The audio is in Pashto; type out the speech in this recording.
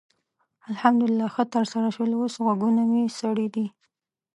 الحمدلله ښه ترسره شول؛ اوس غوږونه مې سړې دي.